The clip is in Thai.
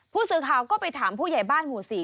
ผู้สื่อข่าวก็ไปถามผู้ใหญ่บ้านหมู่๔